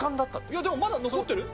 いやでもまだ残ってるよ。